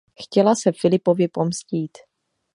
Chtěla se Filipovi pomstít.